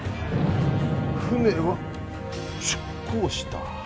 船は出港した。